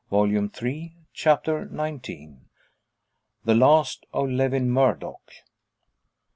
Volume Three, Chapter XIX. THE LAST OF LEWIN MURDOCK.